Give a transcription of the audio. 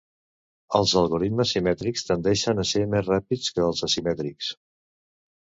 Els algoritmes simètrics tendeixen a ser més ràpids que els asimètrics.